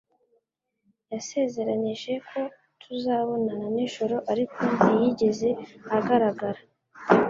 Yasezeranije ko tuzabonana nijoro ariko ntiyigeze agaragara